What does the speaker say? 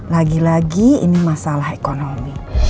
lagi lagi ini masalah ekonomi